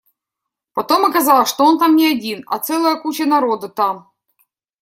Потом оказалось, что он там не один, а целая куча народа там.